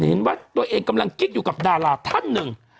เห็นว่าตัวเองกำลังกิ๊กอยู่กับดาราท่านหนึ่ง